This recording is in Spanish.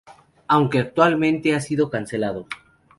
Aunque actualmente ha sido cancelado.